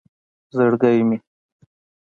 زرگی مې